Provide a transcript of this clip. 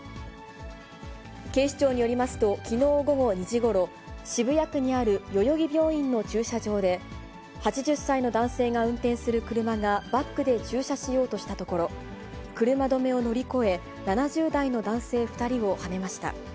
警視庁によりますと、きのう午後２時ごろ、渋谷区にある代々木病院の駐車場で、８０歳の男性が運転する車がバックで駐車しようとしたところ、車止めを乗り越え、７０代の男性２人をはねました。